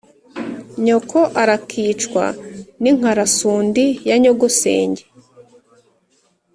nyoko arakicwa n’inkarasundi ya nyogosenge